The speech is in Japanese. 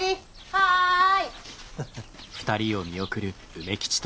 はい！